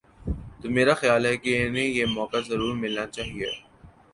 تو میرا خیال ہے کہ انہیں یہ موقع ضرور ملنا چاہیے۔